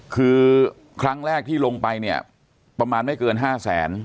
คือครั้งแรกที่ลงไปเนี่ยประมาณไม่เกิน๕แสน